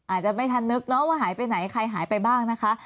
อาจจะไม่ทันนึกเนาะว่าหายไปไหนใครหายไปบ้างนะคะ